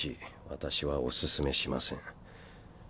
私はお勧めしません。